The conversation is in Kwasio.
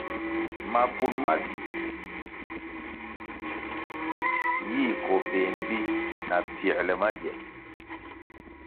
Mapun ma di yi koh béh mbpi na pfięrle magie.